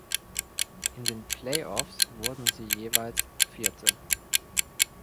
In den Play-offs wurden sie jeweils Vierte.